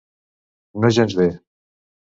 No gens bé.